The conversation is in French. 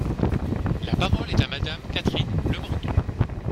La parole est à Madame Catherine Lemorton.